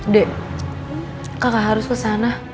dek kakak harus ke sana